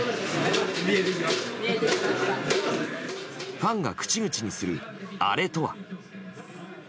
ファンが口々にするアレとは。